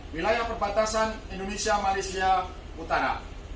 wilayah perbatasan indonesia malaysia utara